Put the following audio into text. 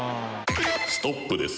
ストップです。